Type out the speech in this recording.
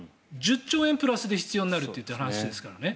１０兆円、プラスで必要になるという話ですからね。